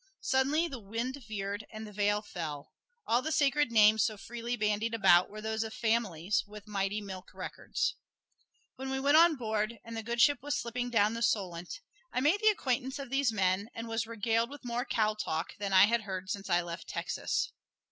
Suddenly the wind veered and the veil fell; all the sacred names so freely bandied about were those of "families" with mighty milk records. When we went on board and the good ship was slipping down The Solent, I made the acquaintance of these men and was regaled with more cow talk than I had heard since I left Texas.